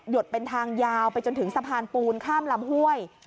ดเป็นทางยาวไปจนถึงสะพานปูนข้ามลำห้วย